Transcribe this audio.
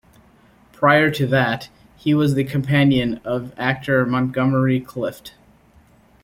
Prior to that, he was the companion of actor Montgomery Clift.